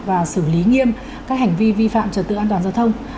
và xử lý nghiêm các hành vi vi phạm trật tự an toàn giao thông